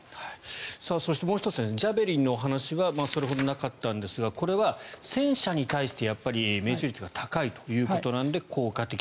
そして、もう１つジャベリンのお話がそれほどなかったんですがこれは戦車に対して命中率が高いということなので効果的。